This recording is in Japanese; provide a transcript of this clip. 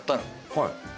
はい。